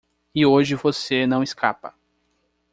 E hoje você não escapa.